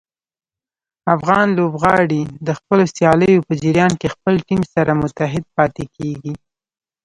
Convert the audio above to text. افغان لوبغاړي د خپلو سیالیو په جریان کې خپل ټیم سره متحد پاتې کېږي.